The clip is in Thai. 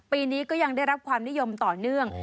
ปีนี้ก็ยังได้รับความนิยมต่อเนื่อง